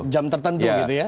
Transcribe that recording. jam tertentu gitu ya